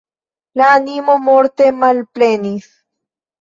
La animo morte malplenis.